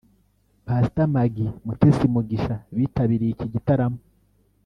Pastor Maggie Mutesi Mugisha bitabiriye iki gitaramo